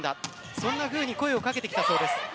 そんなふうに声をかけてきたそうです。